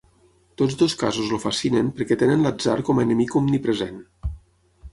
Tots dos casos el fascinen perquè tenen l'atzar com a enemic omnipresent.